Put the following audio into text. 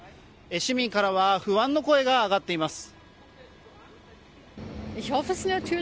市民からは不安の声が上がっています。